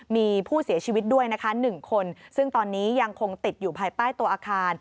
มีผู้เสียชีวิตด้วยนะคะ๑คนซึ่งตอนนี้ยังคงติดอยู่ภายใต้ตัวอาคาร